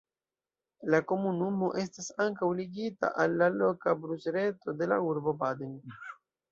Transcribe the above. La komunumo estas ankaŭ ligita al la loka busreto de la urbo Baden.